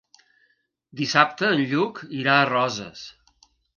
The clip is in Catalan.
Dissabte en Lluc irà a Roses.